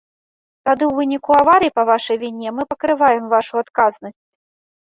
Тады ў выніку аварыі па вашай віне мы пакрываем вашу адказнасць.